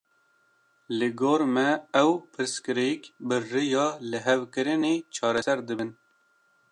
Li gor me ew pirsgirêk, bi riya lihevkirinê çareser dibin